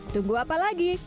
tunggu apa lagi